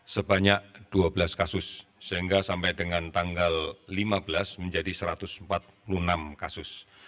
sebanyak dua belas kasus sehingga sampai dengan tanggal lima belas menjadi satu ratus empat puluh enam kasus